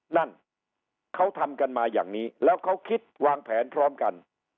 นั่นเขาทำกันมาอย่างนี้แล้วเขาคิดวางแผนพร้อมกัน